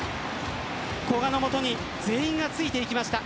古賀のもとに全員がついていきました。